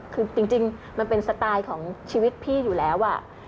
คือจริงมันเป็นสไตล์ของชีวิตพี่อยู่แล้ว